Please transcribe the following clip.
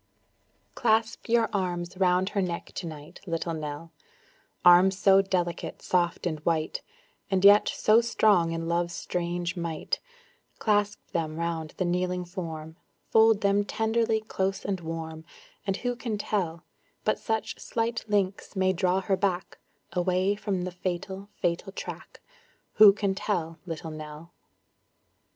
Clasp your arms round her neck to night, Little Nell, Arms so delicate, soft and white, And yet so strong in love's strange might; Clasp them around the kneeling form, Fold them tenderly close and warm, And who can tell But such slight links may draw her back, Away from the fatal, fatal track; Who can tell, Little Nell?